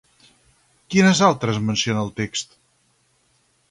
Quines altres menciona el text?